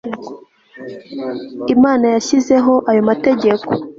Imana yashyizeho ayo mategeko